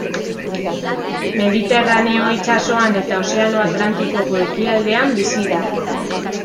Mediterraneo itsasoan eta Ozeano Atlantikoko ekialdean bizi da.